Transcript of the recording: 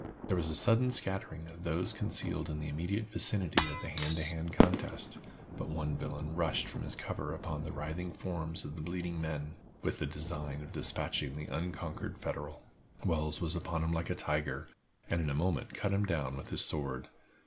There was a sudden scattering of those concealed in the immediate vicinity of the hand to hand contest, but one villain rushed from his cover upon the writhing forms of the bleeding men, with the design of dispatching the unconquered Federal. Wells was upon him like a tiger, and in a moment cut him down with his sword.